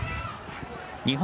日本